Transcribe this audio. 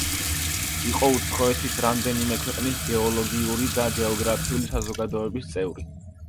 იყო უცხოეთის რამდენიმე ქვეყნის გეოლოგიური და გეოგრაფიული საზოგადოების წევრი.